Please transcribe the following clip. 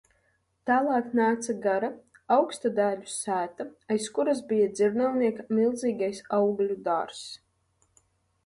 Tālāk nāca gara, augsta dēļu sēta, aiz kuras bija dzirnavnieka milzīgais augļu dārzs.